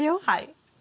はい。